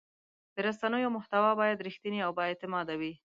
د رسنیو محتوا باید رښتینې او بااعتماده وي.